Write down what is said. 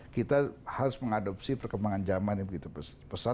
kita harus mengadopsi perkembangan zaman yang begitu besar